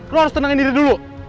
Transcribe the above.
lo harus tenangin diri dulu